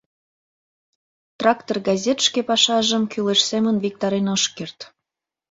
«Трактор» газет шке пашажым кӱлеш семын виктарен ыш керт.